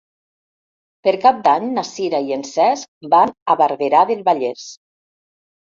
Per Cap d'Any na Sira i en Cesc van a Barberà del Vallès.